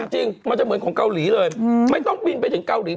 จริงมันจะเหมือนของเกาหลีเลยไม่ต้องบินไปถึงเกาหลี